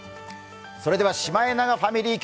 それではシマエナガファミリー